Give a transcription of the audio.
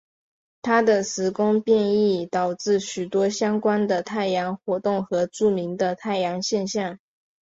他的时空变异导致许多相关的太阳活动和著名的太阳现象。